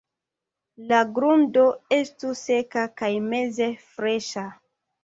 La grundo estu seka kaj meze freŝa.